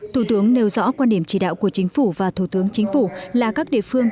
thủ tướng nêu rõ quan điểm chỉ đạo của chính phủ và thủ tướng chính phủ là các địa phương